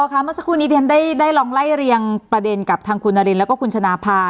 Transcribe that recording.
เมื่อสักครู่นี้เรียนได้ลองไล่เรียงประเด็นกับทางคุณนารินแล้วก็คุณชนะภา